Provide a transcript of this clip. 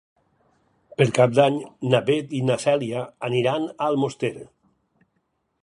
Per Cap d'Any na Beth i na Cèlia aniran a Almoster.